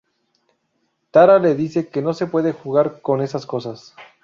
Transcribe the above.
Tara le dice que no se puede jugar con esas cosas.